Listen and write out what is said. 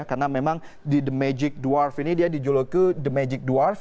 karena memang di the magic dwarf ini dia dijuluki the magic dwarf